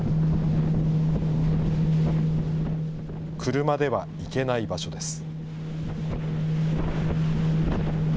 車では行けない場所です。